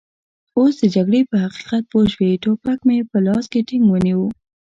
اوس د جګړې په حقیقت پوه شوي، ټوپک مې په لاس کې ټینګ ونیو.